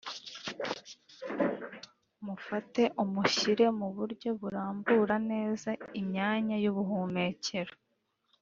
Mufate umushyire mu buryo burambura neza imyanya y’ubuhumekero